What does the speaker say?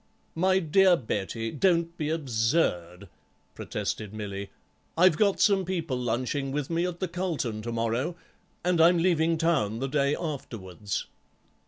"My dear Betty, don't be absurd," protested Milly; "I've got some people lunching with me at the Carlton to morrow, and I'm leaving Town the day afterwards."